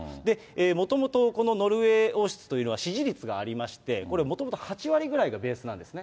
もともとこのノルウェー王室というのは支持率がありまして、これ、もともと８割ぐらいがベースなんですね。